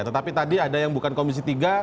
tetapi tadi ada yang bukan komisi tiga